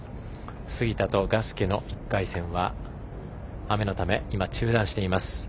杉田とガスケの１回戦は雨のため今、中断しています。